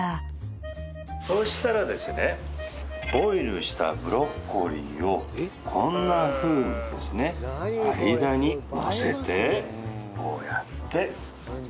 そうしたらですねボイルしたブロッコリーをこんなふうにですね間にのせて。